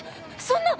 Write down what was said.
そんな！